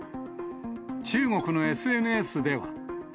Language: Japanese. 中国のＳＮＳでは。